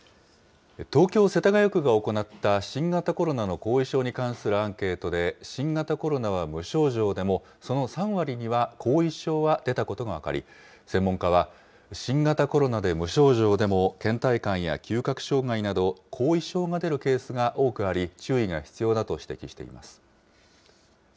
東京・世田谷区が行った新型コロナの後遺症に関するアンケートで、新型コロナは無症状でも、その３割には後遺症は出たことが分かり、専門家は、新型コロナで無症状でも、けん怠感や嗅覚障害など、後遺症が出るケースが多くあり、注意が必要だと指摘しています。